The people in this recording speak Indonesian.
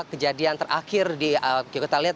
kejadian terakhir di kekitalit